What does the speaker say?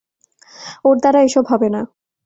ওর দ্বারা এসব হবে না।